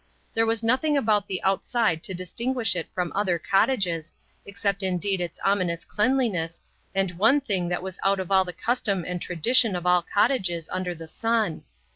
There was nothing about the outside to distinguish it from other cottages, except indeed its ominous cleanliness and one thing that was out of all the custom and tradition of all cottages under the sun.